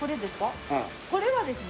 これはですね